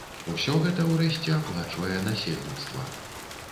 Усё гэта, урэшце, аплачвае насельніцтва.